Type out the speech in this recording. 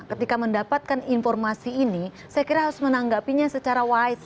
ketika mendapatkan informasi ini saya kira harus menanggapinya secara wise